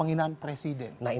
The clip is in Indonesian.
enggak oke mungkin